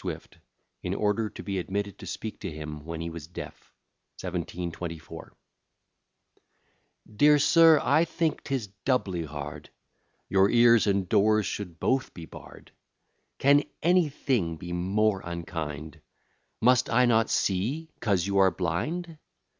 SWIFT, IN ORDER TO BE ADMITTED TO SPEAK TO HIM WHEN HE WAS DEAF. 1724 Dear Sir, I think, 'tis doubly hard, Your ears and doors should both be barr'd. Can anything be more unkind? Must I not see, 'cause you are blind?